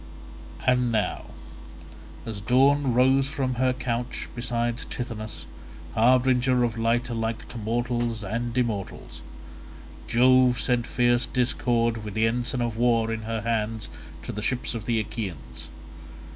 And now as Dawn rose from her couch beside Tithonus, harbinger of light alike to mortals and immortals, Jove sent fierce Discord with the ensign of war in her hands to the ships of the Achaeans.